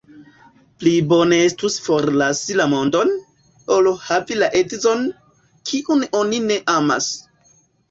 Pli bone estus forlasi la mondon, ol havi la edzon, kiun oni ne amas.